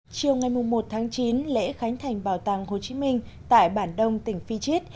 chiều ngày một tháng chín lễ khánh thành bảo tàng hồ chí minh tại bản đông tỉnh phi chít